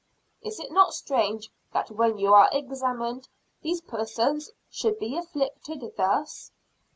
"Is it not strange that when you are examined, these persons should be afflicted thus?"